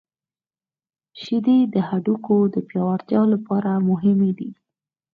• شیدې د هډوکو د پیاوړتیا لپاره مهمې دي.